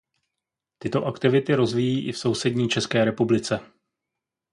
Tyto aktivity rozvíjí i v sousední České republice.